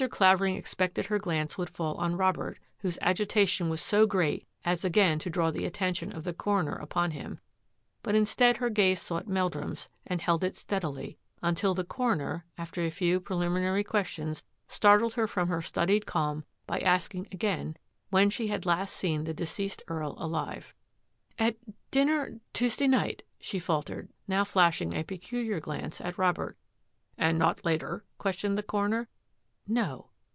Clavering expected that her glance would fall on Robert, whose agitation was so great as again to draw the attention of the coroner upon him, but instead her gaze sought Mel drum's and held it steadily, until the coroner, after a few preliminary questions, startled her from her studied calm by asking when she had last seen the deceased Earl alive. " At dinner Tuesday night," she faltered, now flashing a peculiar glance at Robert. " And not later? " questioned the coroner. " No."